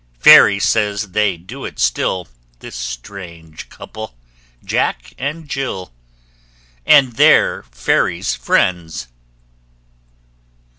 Fairy says they do it still, This strange couple Jack and Jill AND THEY'RE FAIRY'S FRIENDS.